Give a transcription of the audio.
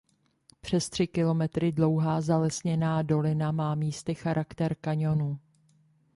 Přes tři kilometry dlouhá zalesněná dolina má místy charakter kaňonu.